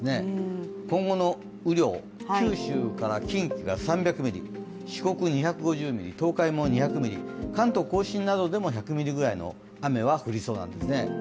今後の雨量、九州から近畿が３００ミリ、四国２５０ミリ、東海も２００ミリ、関東甲信などでも１００ミリぐらいの雨は降りそうなんですね。